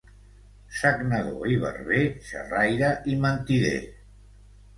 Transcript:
Sagnador i barber, xerraire i mentider.